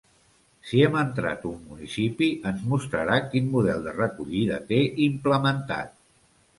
Si hem entrat un municipi, ens mostrarà quin model de recollida té implementat.